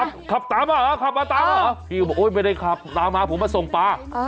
เออขับตามมาเหรอขับมาตามมาเหรอพี่ไม่ได้ขับตามมาผมมาส่งปลา